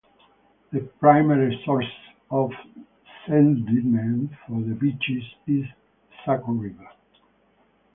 The primary source of sediment for the beaches is the Saco river.